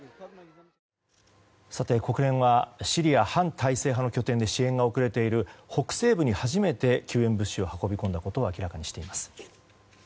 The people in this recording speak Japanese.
国連はシリア反体制派の拠点で、支援が遅れている北西部に初めて救援物資を運び込んだことを明らかにしています。